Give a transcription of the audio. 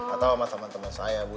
atau sama temen temen saya bu